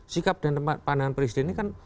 sikap dan pandangan presiden ini kan